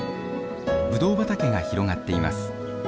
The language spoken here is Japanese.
ブドウ畑が広がっています。